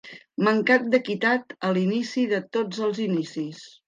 Mancat d'equitat a l'inici de tots els inicis.